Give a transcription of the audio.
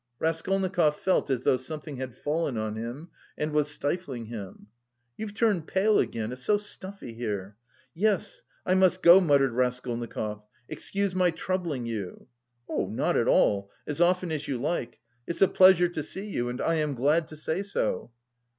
Raskolnikov felt as though something had fallen on him and was stifling him. "You've turned pale again. It's so stuffy here..." "Yes, I must go," muttered Raskolnikov. "Excuse my troubling you...." "Oh, not at all, as often as you like. It's a pleasure to see you and I am glad to say so."